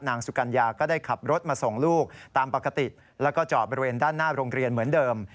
สุกัญญาก็ได้ขับรถมาส่งลูกตามปกติแล้วก็จอดบริเวณด้านหน้าโรงเรียนเหมือนเดิม